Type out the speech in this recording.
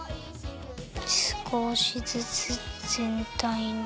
すこしずつぜんたいに。